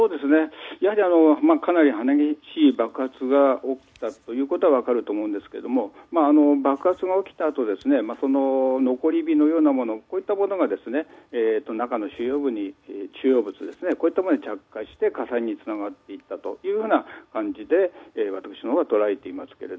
かなり激しい爆発が起きたということは分かると思うんですけども爆発が起きたあと残り火のようなものこういったものが中の主要物に着火して火災につながっていったという感じで私のほうは捉えています。